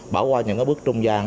bỏ qua những bước trung gian